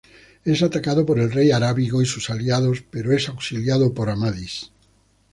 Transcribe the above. Es atacado por el rey Arábigo y sus aliados, pero es auxiliado por Amadís.